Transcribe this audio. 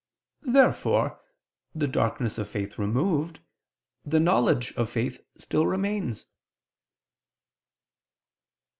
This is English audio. Therefore, the darkness of faith removed, the knowledge of faith still remains.